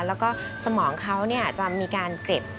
แล้วก็สมองเขาจะมีการเก็บ